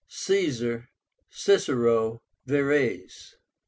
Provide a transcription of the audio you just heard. CAESAR. CICERO. VERRES.